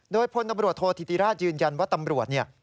โดยพลตำรวจโทษธิติราชยืนยันว่าตำรวจเนี่ย